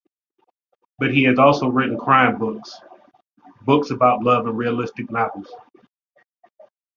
But he has also written crime-books, books about love and realistic novels.